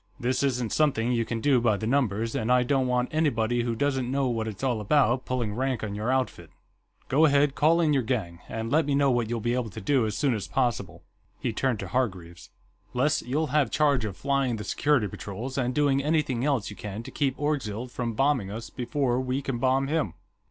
This isn't something you can do by the numbers, and I don't want anybody who doesn't know what it's all about pulling rank on your outfit. Go ahead, call in your gang, and let me know what you'll be able to do, as soon as possible." He turned to Hargreaves. "Les, you'll have charge of flying the security patrols, and doing anything else you can to keep Orgzild from bombing us before we can bomb him.